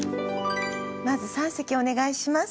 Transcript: まず三席お願いします。